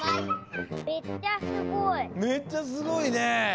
めっちゃすごいね。